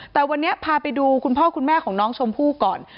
แต่วันนี้พาไปดูคุณพ่อคุณแม่ของน้องชมพู่ก่อน